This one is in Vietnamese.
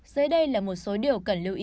dưới đây là một số điều cần lưu ý